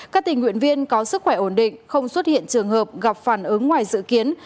các tình nguyện viên có sức khỏe ổn định không xuất hiện trường hợp gặp phản ứng ngoài dự kiến